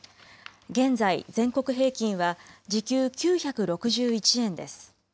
現在、全国平均は時給９６１円です。